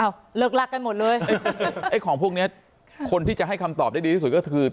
เลิกรักกันหมดเลยไอ้ของพวกเนี้ยคนที่จะให้คำตอบได้ดีที่สุดก็คือ